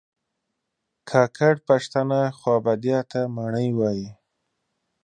کاکړ پښتانه خوابدیا ته ماڼی وایي